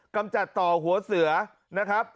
กำจัดต่อหัวเสือนะครับ